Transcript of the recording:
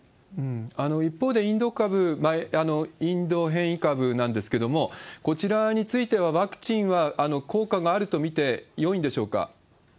一方でインド株、インド変異株なんですけれども、こちらについてはワクチンは効果があると見てよいんでしょうか？